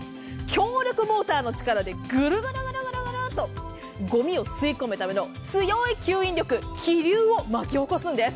強力モーターの力でグルグルグルーっとごみを吸い込むための強い吸引力気流を巻き起こすんです。